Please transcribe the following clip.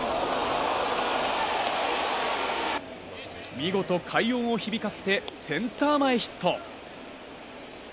見事、快音を響かせてセンター前ヒット。